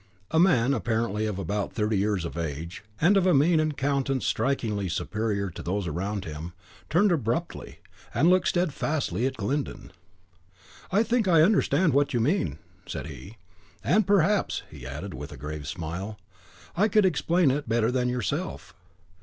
A man, apparently of about thirty years of age, and of a mien and countenance strikingly superior to those around him, turned abruptly, and looked steadfastly at Glyndon. "I think I understand what you mean," said he; "and perhaps," he added, with a grave smile, "I could explain it better than yourself."